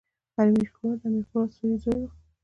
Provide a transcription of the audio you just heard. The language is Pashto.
امیر کروړ د امیر پولاد سوري زوی وو.